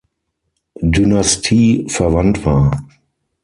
Dynastie verwandt war.